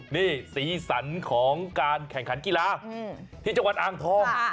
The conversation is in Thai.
นี่สีสันของการแข่งขันกีฬาที่จังหวัดอ่างทอง